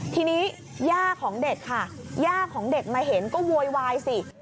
ทีนี้ย่าของเด็กค่ะย่าของเด็กมาเห็นก็โวยวายสิ